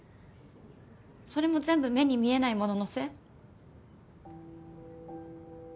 それも全部目に見えないもののせい？